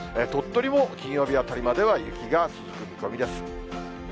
鳥取も金曜日あたりまでは雪が続く見込みです。